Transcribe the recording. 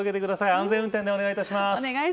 安全運転でお願いします。